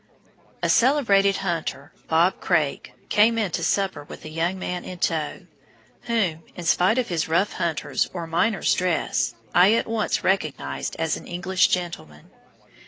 A celebrated hunter, Bob Craik, came in to supper with a young man in tow, whom, in spite of his rough hunter's or miner's dress, I at once recognized as an English gentleman.